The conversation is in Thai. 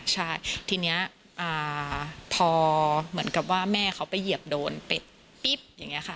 ใช่ทีนี้พอเหมือนกับว่าแม่เขาไปเหยียบโดนเป็ดปิ๊บอย่างนี้ค่ะ